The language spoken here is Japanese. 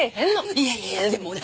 いやいやいやでもね